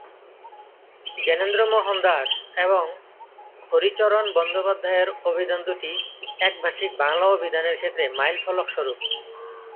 জ্ঞানেন্দ্রমোহন দাস এবং হরিচরণ বন্দ্যোপাধ্যায়ের অভিধান দুটি একভাষিক বাংলা অভিধানের ক্ষেত্রে মাইলফলক স্বরূপ।